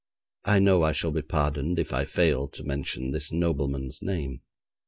I know I shall be pardoned if I fail to mention this nobleman's name.